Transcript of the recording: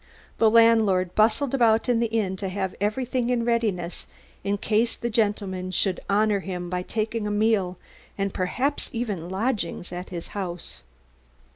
The landlord bustled about the inn to have everything in readiness in case the gentlemen should honour him by taking a meal, and perhaps even lodgings, at his house.